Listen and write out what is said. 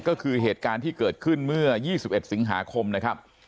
ก็คือเหตุการณ์ที่เกิดขึ้นเมื่อ๒๑สิงหาคมนะครับ